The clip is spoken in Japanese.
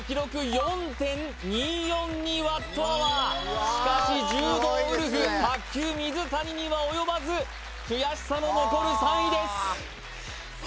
４．２４２Ｗｈしかし柔道ウルフ卓球水谷には及ばず悔しさの残る３位です